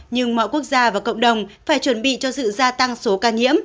nhưng mọi quốc gia và cộng đồng phải chuẩn bị cho sự gia tăng số ca nhiễm